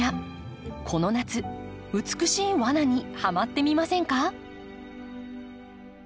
この夏美しい罠にハマってみませんか？